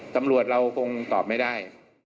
ตำรวจเราคงตอบไม่ได้